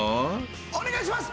お願いします。